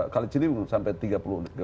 kalau cilipung sampai tiga puluh keolebi